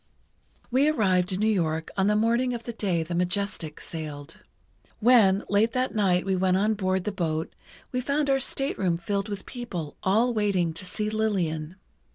We arrived in New York on the morning of the day the Majestic sailed. When, late that night we went on board the boat, we found our stateroom filled with people all waiting to see Lillian.